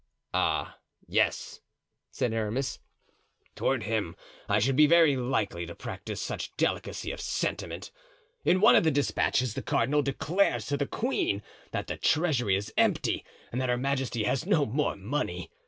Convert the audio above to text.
"Ah, yes!" said Aramis, "toward him I should be very likely to practice such delicacy of sentiment! In one of the despatches the cardinal declares to the queen that the treasury is empty and that her majesty has no more money.